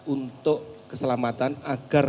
untuk keselamatan agar